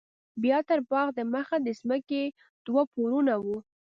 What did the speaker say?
بيا تر باغ د مخه د ځمکې دوه پوړونه وو.